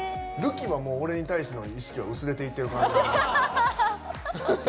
瑠姫は俺に対しての意識は薄れていってる感じ。